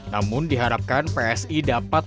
namun diharapkan psi dapat